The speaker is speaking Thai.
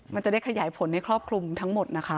มันจะได้ขยายผลให้ครอบคลุมทั้งหมดนะคะ